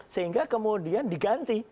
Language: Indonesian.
sehingga kemudian diganti